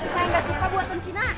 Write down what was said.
saya nggak suka buatan cina